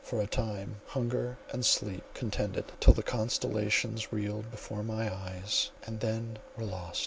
For a time hunger and sleep contended, till the constellations reeled before my eyes and then were lost.